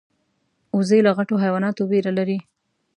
وزې له غټو حیواناتو ویره لري